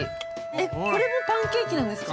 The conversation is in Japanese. えっ、これもパンケーキなんですか。